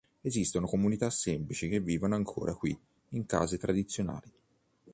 Esistono comunità semplici che vivono ancora qui in case tradizionali.